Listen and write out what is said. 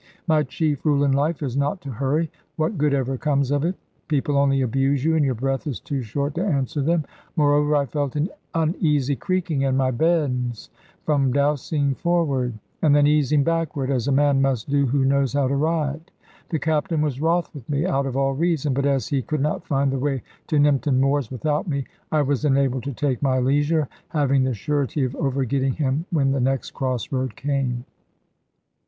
My chief rule in life is not to hurry. What good ever comes of it? People only abuse you, and your breath is too short to answer them. Moreover, I felt an uneasy creaking in my bends from dousing forward, and then easing backward, as a man must do who knows how to ride. The Captain was wroth with me, out of all reason; but as he could not find the way to Nympton Moors without me, I was enabled to take my leisure, having the surety of overgetting him when the next cross road came.